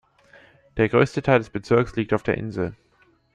Der größte Teil des Bezirks liegt auf der Insel.